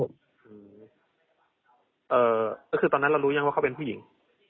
ตอนนั้นเรารู้หรือยังว่าเขาเป็นผู้หญิง